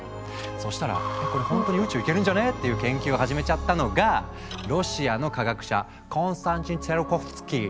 そしたら「えこれほんとに宇宙行けるんじゃね？」っていう研究を始めちゃったのがロシアの科学者コンスタンチン・ツィオルコフスキー。